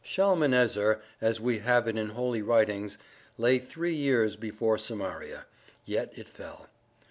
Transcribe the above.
Shalmanezer, as we have it in holy writings, lay three years before Samaria; yet it fell.